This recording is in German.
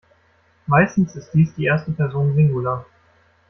Meistens ist dies die erste Person Singular.